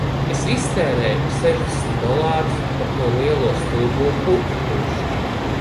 Es iztērēju sešdesmit dolārus par to lielo stulbo puķu pušķi